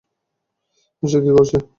সে কি করেছে?